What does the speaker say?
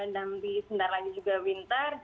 nambi sebentar lagi juga winter